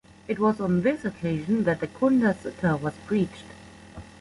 It was on this occasion that the Cunda Sutta was preached.